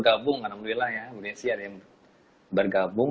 gabung alhamdulillah ya boleh siap ya bergabung